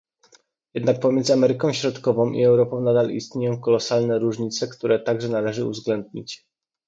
Jednak pomiędzy Ameryką Środkową i Europą nadal istnieją kolosalne różnice, które także należy uwzględnić